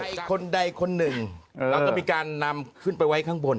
คนใดคนหนึ่งแล้วก็มีการนำขึ้นไปไว้ข้างบน